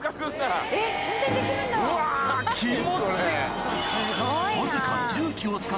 うわ気持ちいい！